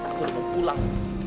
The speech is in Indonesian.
aku udah mau pulang